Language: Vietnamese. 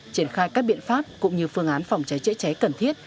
triển khai các biện pháp cũng như phương án phòng cháy chữa cháy cần thiết